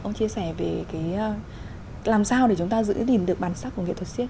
ông chia sẻ về làm sao để chúng ta giữ nhìn được bản sắc của nghệ thuật siếc ạ